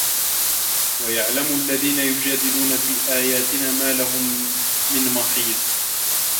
وَيَعلَمَ الَّذينَ يُجادِلونَ في آياتِنا ما لَهُم مِن مَحيصٍ